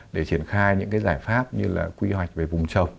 để triển khai những cái giải pháp như là quy hoạch về vùng trồng